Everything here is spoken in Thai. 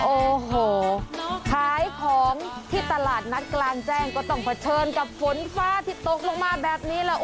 โอ้โหขายของที่ตลาดนัดกลางแจ้งก็ต้องเผชิญกับฝนฟ้าที่ตกลงมาแบบนี้แหละ